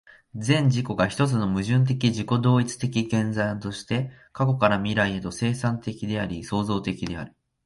全自己が一つの矛盾的自己同一的現在として、過去から未来へと、生産的であり創造的である。